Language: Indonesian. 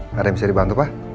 nggak ada yang bisa dibantu pak